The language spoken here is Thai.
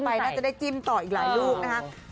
น่าจะได้จิ้มต่ออีกหลายลูกนะครับ